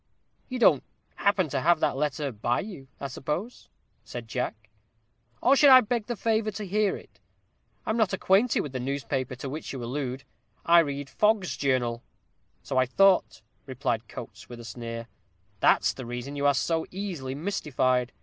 "You don't happen to have that letter by you, I suppose," said Jack, "or I should beg the favor to hear it? I am not acquainted with the newspaper to which you allude; I read Fog's Journal." "So I thought," replied Coates, with a sneer; "that's the reason you are so easily mystified.